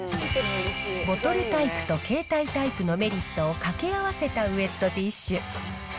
ボトルタイプと携帯タイプのメリットを掛け合わせたウエットティッシュ。